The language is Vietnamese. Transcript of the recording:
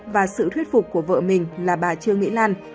và sự thuyết phục của vợ mình là bà trương mỹ lan